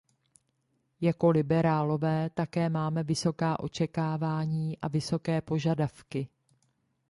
Jako liberálové také máme vysoká očekávání a vysoké požadavky.